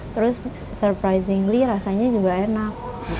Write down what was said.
terus surprizingly rasanya juga enak